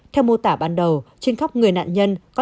theo mô tả ban đầu trên khóc người nạn nhân